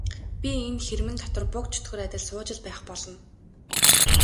Би энэ хэрмэн дотор буг чөтгөр адил сууж л байх болно.